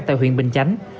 tại huyện bình chánh